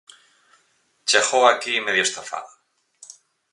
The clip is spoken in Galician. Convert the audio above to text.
Cheghou aquí medio estafado.